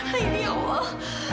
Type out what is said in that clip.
bagaimana ini ya allah